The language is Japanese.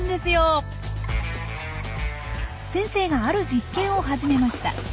先生がある実験を始めました。